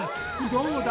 どうだ？